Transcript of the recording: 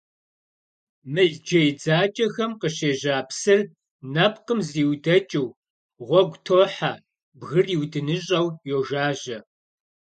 Мыл джей дзакӀэхэм къыщежьа псыр, нэпкъым зриудэкӀыу, гъуэгу тохьэ, бгыр иудыныщӀэу йожажьэ.